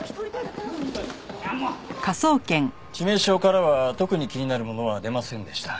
致命傷からは特に気になるものは出ませんでした。